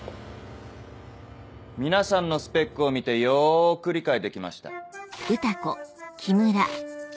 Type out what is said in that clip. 皆さんのスペックを見てよく理解できました。